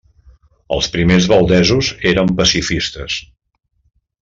Els primers valdesos eren pacifistes.